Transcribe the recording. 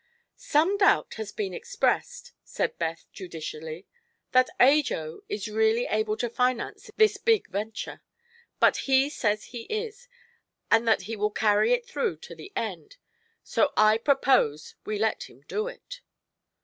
"Some doubt has been expressed," said Beth judicially, "that Ajo is really able to finance this big venture. But he says he is, and that he will carry it through to the end, so I propose we let him do it."